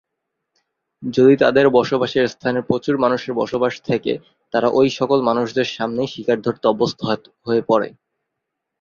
যদি তাদের বসবাসের স্থানে প্রচুর মানুষের বসবাস থেকে তারা ওই সকল মানুষদের সামনেই শিকার ধরতে অভ্যস্ত হয়ে পরে।